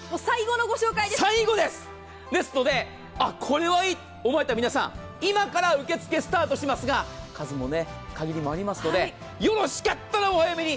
最後です！ですので、これはいいと思われた皆さん、今から受け付けスタートしますが、数も限りがありますのでよろしかったら、お早めに。